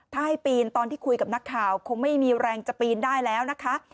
ถ้าให้ปีนตอนที่คุยกับนักข่าวคงไม่มีแรงจะปีนได้แล้วนะคะ